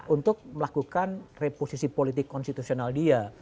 untuk melakukan reposisi politik konstitusional dia